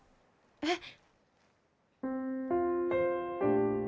えっ。